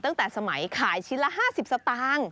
ตั้งแต่สมัยขายชิ้นละ๕๐สตางค์